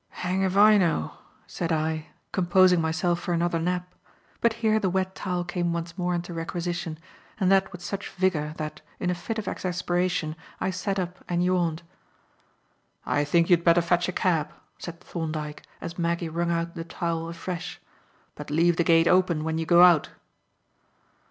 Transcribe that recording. "Hang' 'f I know," said I, composing myself for another nap. But here the wet towel came once more into requisition, and that with such vigour that, in a fit of exasperation, I sat up and yawned. "I think you'd better fetch a cab," said Thorndyke, as Maggie wrung out the towel afresh; "but leave the gate open when you go out."